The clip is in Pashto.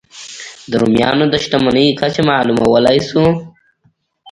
د رومیانو د شتمنۍ کچه معلومولای شو.